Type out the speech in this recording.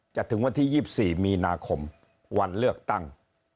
จะถึงวันที่ยี่สิบสี่มีนาคมวันเลือกตั้ง